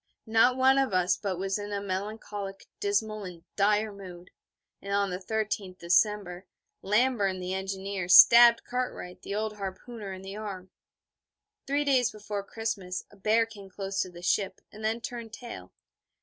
Not one of us but was in a melancholic, dismal and dire mood; and on the 13th December Lamburn, the engineer, stabbed Cartwright, the old harpooner, in the arm. Three days before Christmas a bear came close to the ship, and then turned tail.